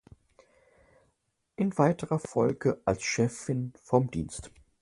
In weiterer Folge als Chefin vom Dienst.